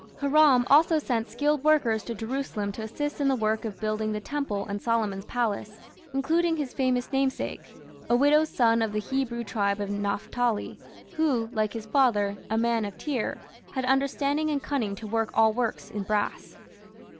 Hiram also sent skilled workers to Jerusalem to assist in the work of building the temple and Solomon's palace, including his famous namesake, "a widow's son of the (Hebrew) tribe of Naphtali", who, like his father, "a man of Tyre", had "understanding and cunning to work all works in brass".